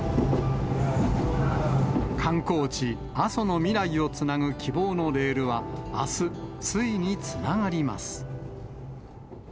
阿蘇の未来をつなぐ希望のレールは、あす、ついにつながります。